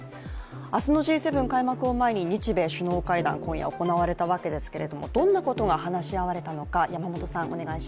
明日のＧ７開幕を前に日米首脳会談、今夜行われたわけなんですがどんなことが話し合われたのでしょうか。